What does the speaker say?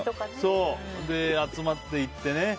集まって行ってね。